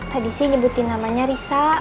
tadi sih nyebutin namanya risa